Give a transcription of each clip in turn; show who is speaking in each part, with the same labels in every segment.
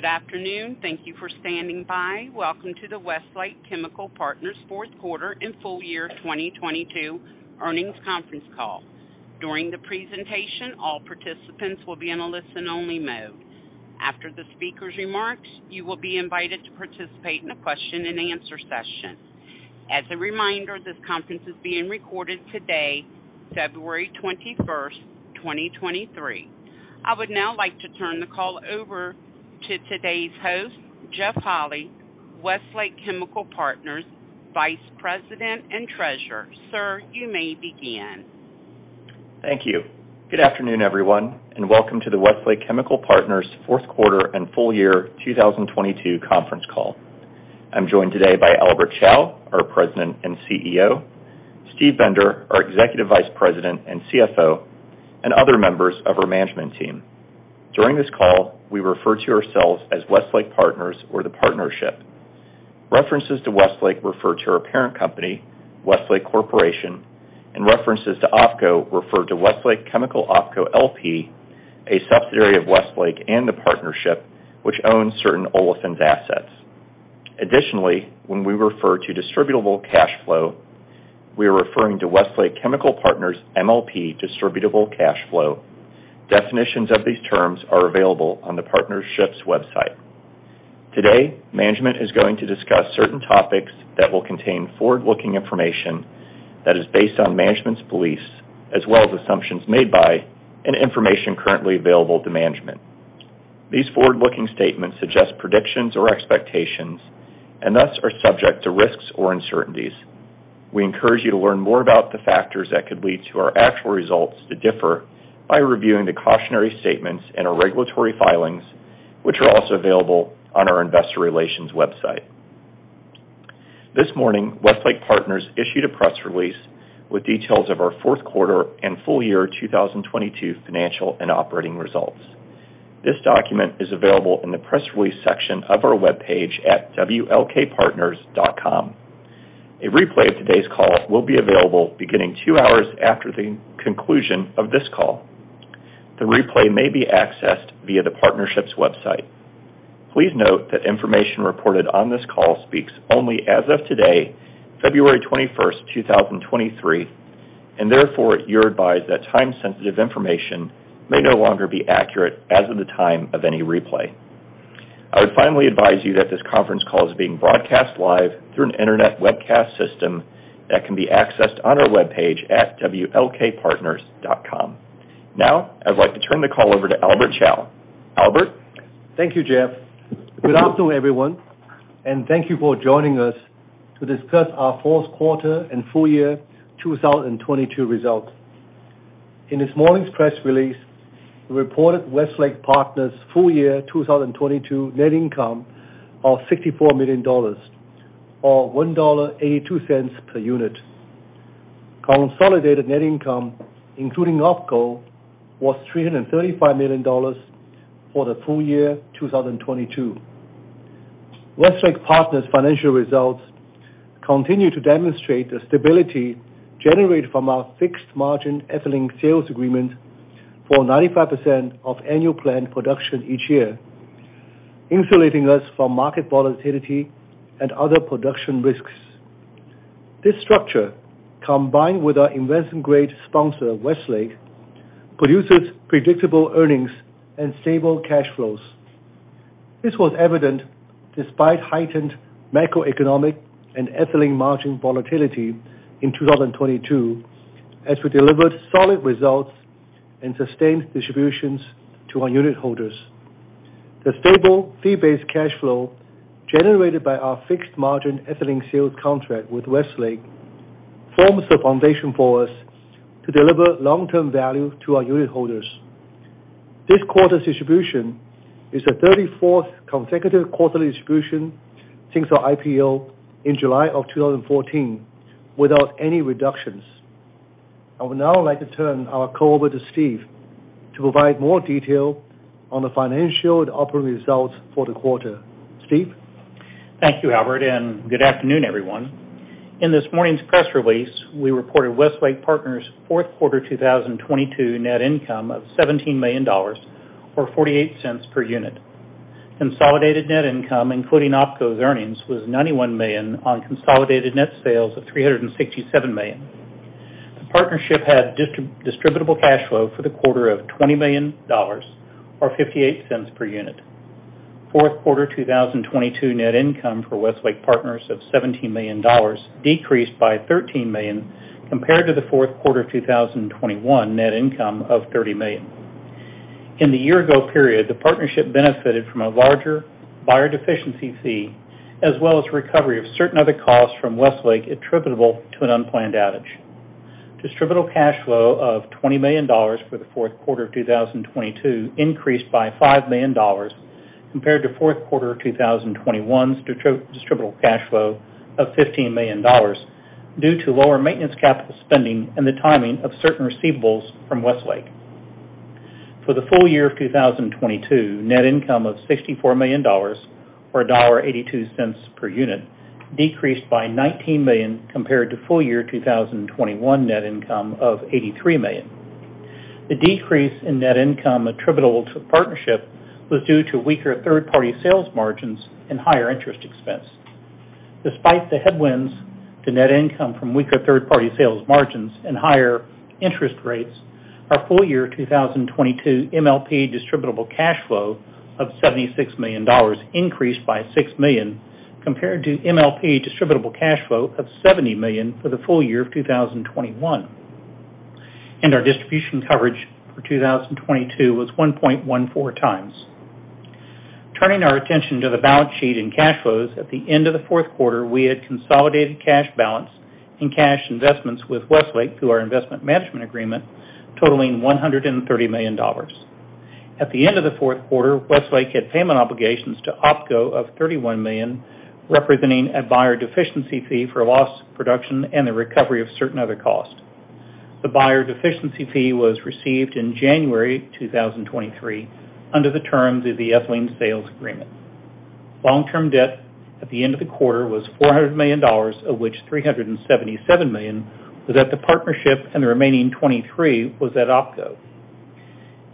Speaker 1: Good afternoon. Thank you for standing by. Welcome to the Westlake Chemical Partners fourth quarter and full year 2022 earnings conference call. During the presentation, all participants will be in a listen-only mode. After the speaker's remarks, you will be invited to participate in a question-and-answer session. As a reminder, this conference is being recorded today, February 21st, 2023. I would now like to turn the call over to today's host, Jeff Holy, Westlake Chemical Partners Vice President and Treasurer. Sir, you may begin.
Speaker 2: Thank you. Good afternoon, everyone, and welcome to the Westlake Chemical Partners fourth quarter and full year 2022 conference call. I'm joined today by Albert Chao, our President and CEO, Steve Bender, our Executive Vice President and CFO, and other members of our management team. During this call, we refer to ourselves as Westlake Partners or the Partnership. References to Westlake refer to our parent company, Westlake Corporation, and references to OpCo refer to Westlake Chemical OpCo LP, a subsidiary of Westlake and the Partnership which owns certain Olefins assets. Additionally, when we refer to distributable cash flow, we are referring to Westlake Chemical Partners MLP distributable cash flow. Definitions of these terms are available on the Partnership's website. Today, management is going to discuss certain topics that will contain forward-looking information that is based on management's beliefs as well as assumptions made by and information currently available to management. These forward-looking statements suggest predictions or expectations and thus are subject to risks or uncertainties. We encourage you to learn more about the factors that could lead to our actual results to differ by reviewing the cautionary statements in our regulatory filings, which are also available on our investor relations website. This morning, Westlake Partners issued a press release with details of our fourth quarter and full year 2022 financial and operating results. This document is available in the press release section of our webpage at wlkpartners.com. A replay of today's call will be available beginning two hours after the conclusion of this call. The replay may be accessed via the Partnership's website. Please note that information reported on this call speaks only as of today, February 21st, 2023, and therefore you're advised that time-sensitive information may no longer be accurate as of the time of any replay. I would finally advise you that this conference call is being broadcast live through an internet webcast system that can be accessed on our webpage at wlkpartners.com. Now, I'd like to turn the call over to Albert Chao. Albert.
Speaker 3: Thank you, Jeff. Good afternoon, everyone, thank you for joining us to discuss our fourth quarter and full year 2022 results. In this morning's press release, we reported Westlake Partners' full year 2022 net income of $64 million, or $1.82 per unit. Consolidated net income, including OpCo, was $335 million for the full year 2022. Westlake Partners' financial results continue to demonstrate the stability generated from our fixed margin Ethylene Sales Agreement for 95% of annual plant production each year, insulating us from market volatility and other production risks. This structure, combined with our investment-grade sponsor, Westlake, produces predictable earnings and stable cash flows. This was evident despite heightened macroeconomic and ethylene margin volatility in 2022, as we delivered solid results and sustained distributions to our unit holders. The stable fee-based cash flow generated by our fixed margin ethylene sales contract with Westlake forms the foundation for us to deliver long-term value to our unit holders. This quarter's distribution is the 34th consecutive quarterly distribution since our IPO in July of 2014 without any reductions. I would now like to turn our call over to Steve to provide more detail on the financial and operating results for the quarter. Steve?
Speaker 4: Thank you, Albert. Good afternoon, everyone. In this morning's press release, we reported Westlake Partners' fourth quarter 2022 net income of $17 million or $0.48 per unit. Consolidated net income, including OpCo's earnings, was $91 million on consolidated net sales of $367 million. The Partnership had distributable cash flow for the quarter of $20 million or $0.58 per unit. Fourth quarter 2022 net income for Westlake Partners of $17 million decreased by $13 million compared to the fourth quarter 2021 net income of $30 million. In the year-ago period, the Partnership benefited from a larger buyer deficiency fee as well as recovery of certain other costs from Westlake attributable to an unplanned outage. Distributable cash flow of $20 million for the fourth quarter of 2022 increased by $5 million compared to fourth quarter 2021's distributable cash flow of $15 million due to lower maintenance capital spending and the timing of certain receivables from Westlake. For the full year of 2022, net income of $64 million or $1.82 per unit decreased by $19 million compared to full year 2021 net income of $83 million. The decrease in net income attributable to partnership was due to weaker third-party sales margins and higher interest expense. Despite the headwinds to net income from weaker third-party sales margins and higher interest rates, our full year 2022 MLP distributable cash flow of $76 million increased by $6 million compared to MLP distributable cash flow of $70 million for the full year of 2021. Our distribution coverage for 2022 was 1.14 times. Turning our attention to the balance sheet and cash flows, at the end of the fourth quarter, we had consolidated cash balance and cash investments with Westlake through our Investment Management Agreement totaling $130 million. At the end of the fourth quarter, Westlake had payment obligations to OpCo of $31 million, representing a buyer deficiency fee for lost production and the recovery of certain other costs. The buyer deficiency fee was received in January 2023 under the terms of the Ethylene Sales Agreement. Long-term debt at the end of the quarter was $400 million, of which $377 million was at the Partnership and the remaining 23 was at OpCo.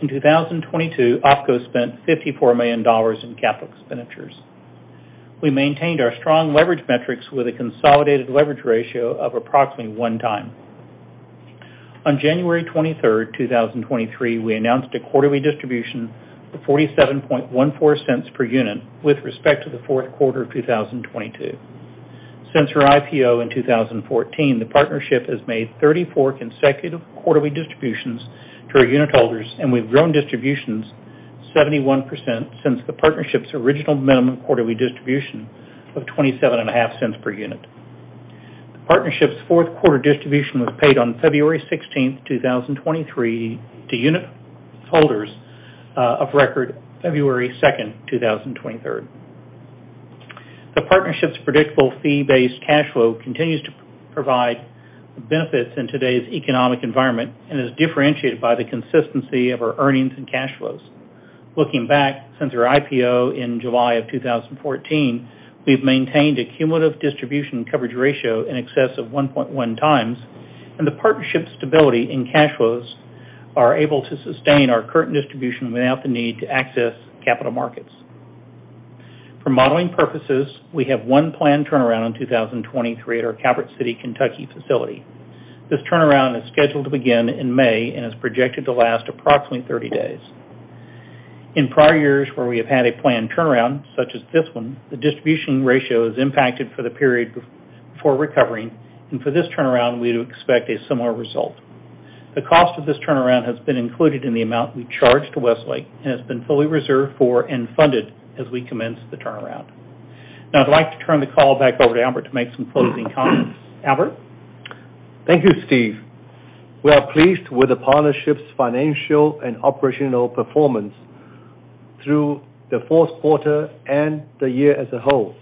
Speaker 4: In 2022, OpCo spent $54 million in capital expenditures. We maintained our strong leverage metrics with a consolidated leverage ratio of approximately one time. On January 23, 2023, we announced a quarterly distribution of $0.4714 per unit with respect to the fourth quarter of 2022. Since our IPO in 2014, the partnership has made 34 consecutive quarterly distributions to our unitholders and we've grown distributions 71% since the partnership's original minimum quarterly distribution of twenty-seven and a half cents per unit. The partnership's fourth quarter distribution was paid on February 16th, 2023 to unitholders of record February 2nd, 2023. The partnership's predictable fee-based cash flow continues to provide benefits in today's economic environment and is differentiated by the consistency of our earnings and cash flows. Looking back, since our IPO in July of 2014, we've maintained a cumulative distribution coverage ratio in excess of 1.1 times, and the partnership stability in cash flows are able to sustain our current distribution without the need to access capital markets. For modeling purposes, we have one planned turnaround in 2023 at our Calvert City, Kentucky facility. This turnaround is scheduled to begin in May and is projected to last approximately 30 days. In prior years, where we have had a planned turnaround, such as this one, the distribution ratio is impacted for the period before recovering, and for this turnaround, we'd expect a similar result. The cost of this turnaround has been included in the amount we charge to Westlake and has been fully reserved for and funded as we commence the turnaround. I'd like to turn the call back over to Albert to make some closing comments. Albert?
Speaker 3: Thank you, Steve. We are pleased with the partnership's financial and operational performance through the fourth quarter and the year as a whole.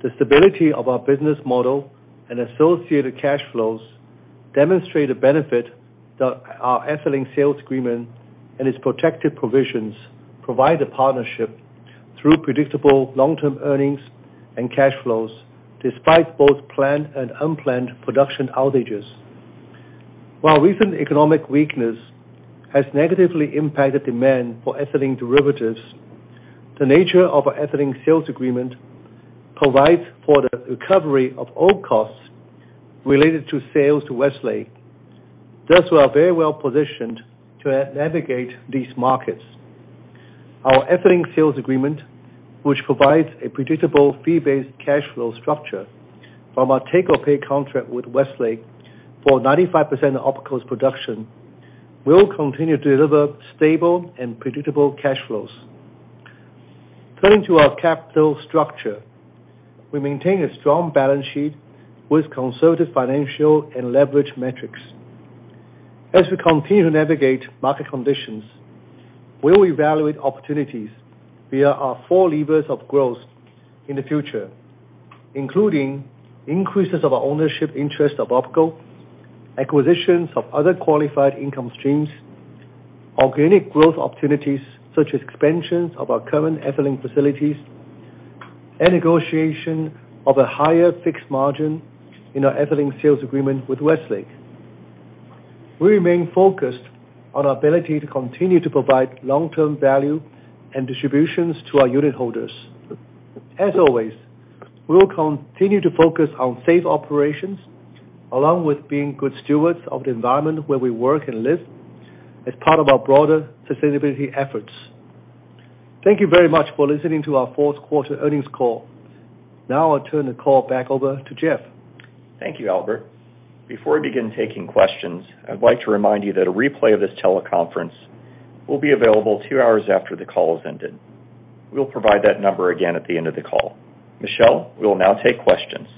Speaker 3: The stability of our business model and associated cash flows demonstrate the benefit that our Ethylene Sales Agreement and its protective provisions provide the partnership through predictable long-term earnings and cash flows, despite both planned and unplanned production outages. While recent economic weakness has negatively impacted demand for ethylene derivatives, the nature of our Ethylene Sales Agreement provides for the recovery of all costs related to sales to Westlake, thus we are very well positioned to navigate these markets. Our Ethylene Sales Agreement, which provides a predictable fee-based cash flow structure from our take-or-pay contract with Westlake for 95% of OpCo's production, will continue to deliver stable and predictable cash flows. Turning to our capital structure, we maintain a strong balance sheet with conservative financial and leverage metrics. As we continue to navigate market conditions, we will evaluate opportunities via our four levers of growth in the future, including increases of our ownership interest of OpCo, acquisitions of other qualified income streams, organic growth opportunities such as expansions of our current ethylene facilities, and negotiation of a higher fixed margin in our Ethylene Sales Agreement with Westlake. We remain focused on our ability to continue to provide long-term value and distributions to our unit holders. As always, we will continue to focus on safe operations, along with being good stewards of the environment where we work and live as part of our broader sustainability efforts. Thank you very much for listening to our fourth quarter earnings call. Now I'll turn the call back over to Jeff.
Speaker 2: Thank you, Albert. Before we begin taking questions, I'd like to remind you that a replay of this teleconference will be available two hours after the call has ended. We'll provide that number again at the end of the call. Michelle, we will now take questions.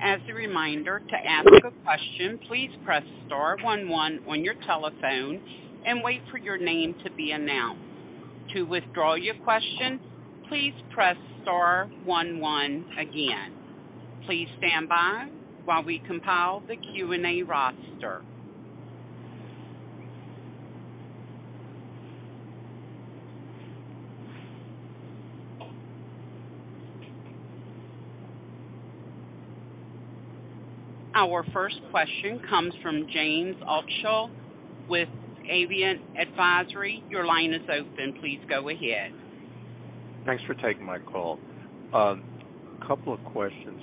Speaker 1: As a reminder, to ask a question, please press star one one on your telephone and wait for your name to be announced. To withdraw your question, please press Star one one again. Please stand by while we compile the Q&A roster. Our first question comes from James Altschul with Aviation Advisory. Your line is open. Please go ahead.
Speaker 5: Thanks for taking my call. A couple of questions.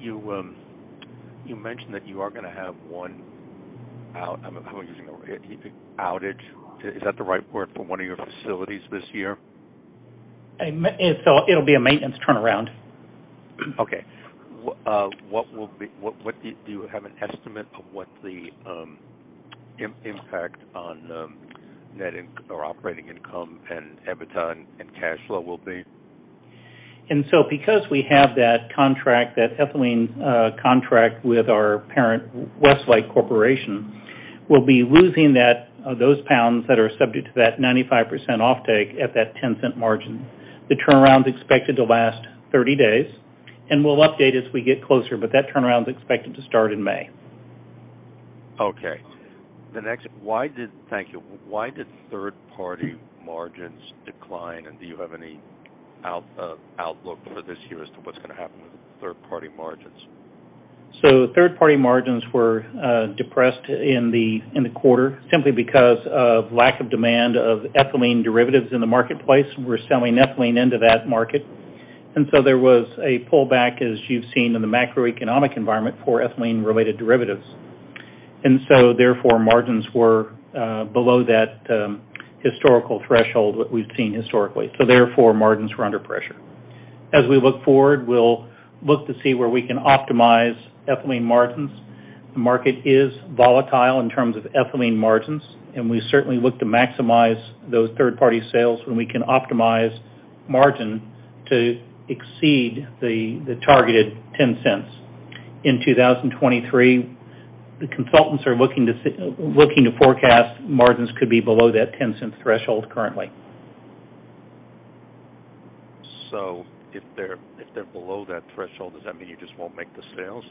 Speaker 5: You mentioned that you are gonna have one outage, is that the right word, for one of your facilities this year?
Speaker 4: It'll be a maintenance turnaround.
Speaker 5: Okay. What do you have an estimate of what the impact on operating income and EBITDA and cash flow will be?
Speaker 4: Because we have that contract, that ethylene contract with our parent Westlake Corporation, we'll be losing that, those pounds that are subject to that 95% offtake at that $0.10 margin. The turnaround's expected to last 30 days. We'll update as we get closer. That turnaround's expected to start in May.
Speaker 5: Okay. Thank you. Why did third-party margins decline? Do you have any outlook for this year as to what's gonna happen with third-party margins?
Speaker 4: Third-party margins were depressed in the quarter simply because of lack of demand of ethylene derivatives in the marketplace. We're selling ethylene into that market. There was a pullback, as you've seen in the macroeconomic environment, for ethylene-related derivatives. Therefore, margins were below that historical threshold that we've seen historically. Therefore, margins were under pressure. As we look forward, we'll look to see where we can optimize ethylene margins. The market is volatile in terms of ethylene margins, and we certainly look to maximize those third-party sales when we can optimize margin to exceed the targeted $0.10. In 2023, the consultants are looking to forecast margins could be below that $0.10 threshold currently.
Speaker 5: If they're below that threshold, does that mean you just won't make the sales?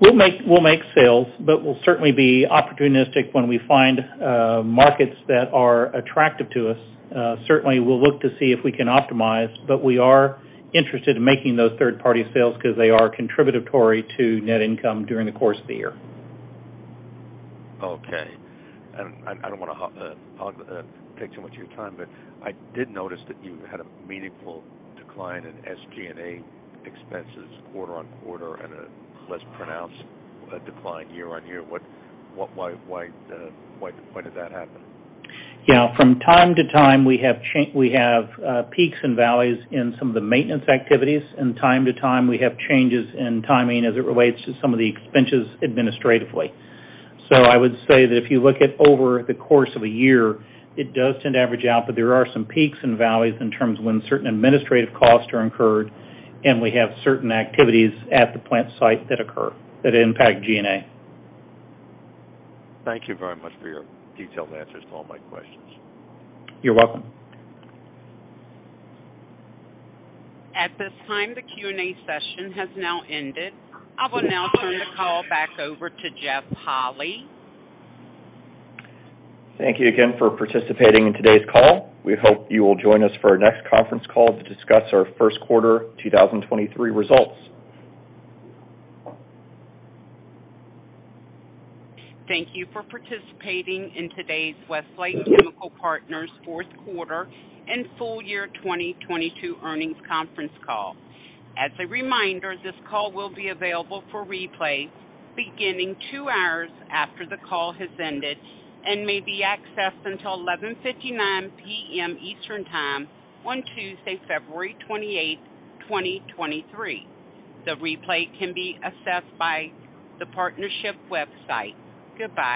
Speaker 4: We'll make sales. We'll certainly be opportunistic when we find markets that are attractive to us. Certainly, we'll look to see if we can optimize. We are interested in making those third-party sales 'cause they are contributory to net income during the course of the year.
Speaker 5: Okay. I don't wanna take too much of your time, but I did notice that you had a meaningful decline in SG&A expenses quarter-over-quarter and a less pronounced decline year-over-year. What, why did that happen?
Speaker 4: Yeah. From time to time, we have peaks and valleys in some of the maintenance activities. Time to time, we have changes in timing as it relates to some of the expenses administratively. I would say that if you look at over the course of a year, it does tend to average out, but there are some peaks and valleys in terms of when certain administrative costs are incurred, and we have certain activities at the plant site that occur that impact G&A.
Speaker 5: Thank you very much for your detailed answers to all my questions.
Speaker 4: You're welcome.
Speaker 1: At this time, the Q&A session has now ended. I will now turn the call back over to Jeff Holy.
Speaker 2: Thank you again for participating in today's call. We hope you will join us for our next conference call to discuss our first quarter 2023 results.
Speaker 1: Thank you for participating in today's Westlake Chemical Partners fourth quarter and full year 2022 earnings conference call. As a reminder, this call will be available for replay beginning two hours after the call has ended and may be accessed until 11:59 P.M. Eastern Time on Tuesday, February 28th, 2023. The replay can be accessed by the partnership website. Goodbye.